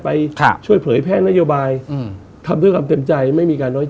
ผมเองกับคุณอุ้งอิ๊งเองเราก็รักกันเหมือนน้อง